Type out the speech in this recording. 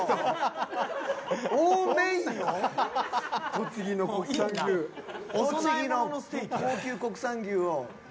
栃木の高級国産牛を。